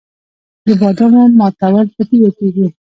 د بادامو ماتول په تیږه کیږي.